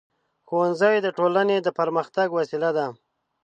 ښوونځی د ټولنې د پرمختګ وسیله ده.